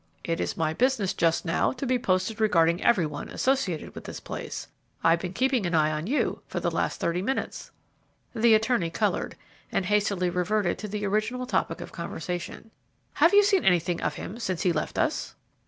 "It is my business just now to be posted regarding every one associated with this place. I've been keeping an eye on you for the last thirty minutes." The attorney colored, and hastily reverted to the original topic of conversation. "Have you seen anything of him since he left us?"